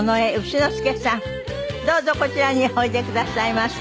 どうぞこちらにおいでくださいませ。